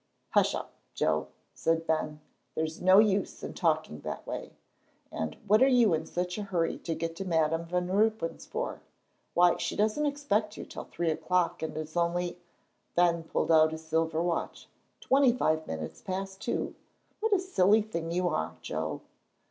"Hush up, Joe," said Ben, "there's no use in talking that way. And what are you in such a hurry to get to Madam Van Ruypen's for? Why, she doesn't expect you till three o'clock, and its only" Ben pulled out his silver watch "twenty five minutes past two. What a silly thing you are, Joe!"